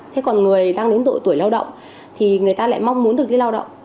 thế còn người đang đến độ tuổi lao động thì người ta lại mong muốn được đi lao động